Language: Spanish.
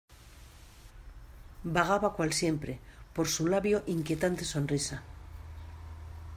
vagaba cual siempre, por su labio inquietante sonrisa